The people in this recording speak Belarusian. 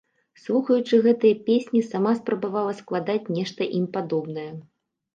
Слухаючы гэтыя песні, сама спрабавала складаць нешта ім падобнае.